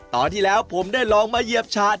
ตอนที่แล้วผมได้ลองหมดท่าที่นี่เอง